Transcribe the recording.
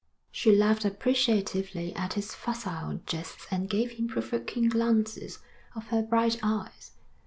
She laughed appreciatively at his facile jests and gave him provoking glances of her bright eyes.